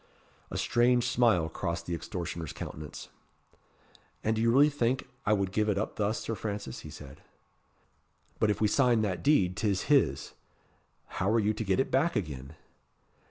A strange smile crossed the extortioner's countenance. "And do you really think I would give it up thus, Sir Francis?" he said. "But if we sign that deed 'tis his. How are you to get it back again?"